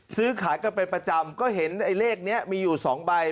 ซื้อขายกันเป็นประจำก็เห็นไอ้เลขนี้มีอยู่๒ใบ